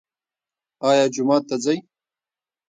ایا جومات ته ځئ؟